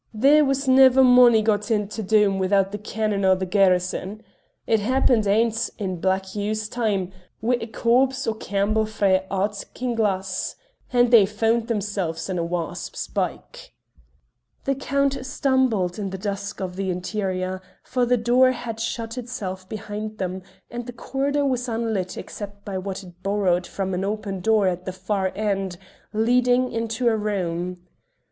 There was never mony got into Doom withoot the kennin' o' the garrison. It happened aince in Black Hugh's time wi' a corps o' Campbells frae Ardkinglas, and they found themselves in a wasp's byke." The Count stumbled in the dusk of the interior, for the door had shut of itself behind them, and the corridor was unlit except by what it borrowed from an open door at the far end, leading into a room.